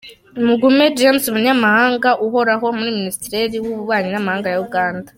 Mugume James, Umunyamaganga uhoraho muri Minisiteri yUbubanyi nAmahanga ya Uganda.